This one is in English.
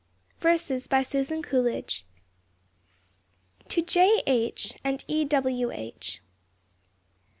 VERSES. BY SUSAN COOLIDGE. TO J. H. AND E. W. H.